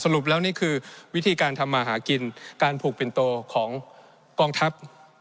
แล้วนี่คือวิธีการทำมาหากินการผูกปินโตของกองทัพ